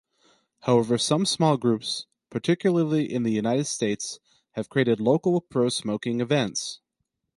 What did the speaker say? However, some small groups, particularly in the United States, have created local pro-smoking events.